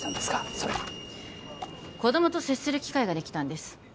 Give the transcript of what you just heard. それ子供と接する機会ができたんです